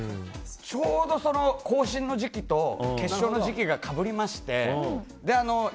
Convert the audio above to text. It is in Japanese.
ちょうど更新の時期と決勝の時期がかぶりまして。